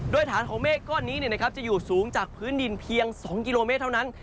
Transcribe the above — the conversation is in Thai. โดยฐานของเมฆก้อนนี้จะอยู่สูงจากพื้นดินเพียง๒กิโลเมตรเท่านั้น